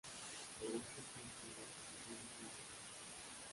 Sobre este punto, la oposición es múltiple.